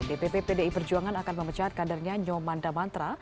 dpp pdi perjuangan akan memecat kadernya nyomanda mantra